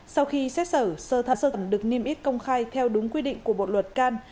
sau khi xét xử sơ thẩm được niêm ích công khai theo đúng quy định của bộ luật can